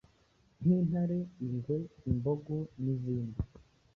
nk’intare, ingwe, imbogo n’izindi.